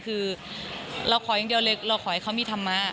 คือเราขออย่างเดียวเลยเราขอให้เขามีธรรมะ